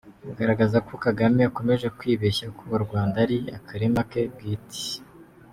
Kugaragaza ko Kagame akomeje kwibeshya ko u Rwanda ari akarima ke bwite.